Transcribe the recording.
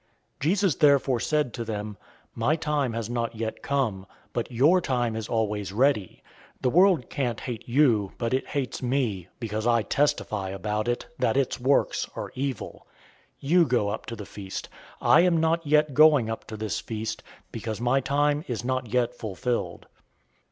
007:006 Jesus therefore said to them, "My time has not yet come, but your time is always ready. 007:007 The world can't hate you, but it hates me, because I testify about it, that its works are evil. 007:008 You go up to the feast. I am not yet going up to this feast, because my time is not yet fulfilled."